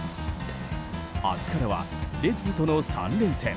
明日からは、レッズとの３連戦。